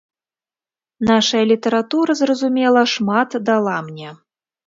Нашая літаратура, зразумела, шмат дала мне.